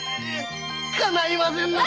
かないませんなぁ。